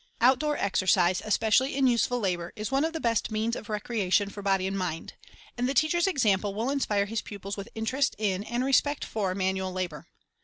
Outdoor exercise, especially in useful labor, is one of the best means of recreation for body and mind ; and the teacher's example will inspire his pupils with interest in and respect for manual labor.